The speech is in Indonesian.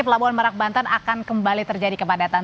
pelabuhan merak banten akan kembali terjadi kepadatan